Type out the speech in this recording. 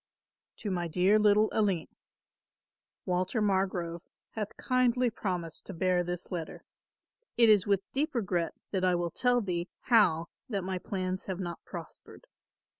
"To my dear little Aline, "Walter Margrove hath kindly promised to bear this letter. It is with deep regret that I will tell thee how that my plans have not prospered.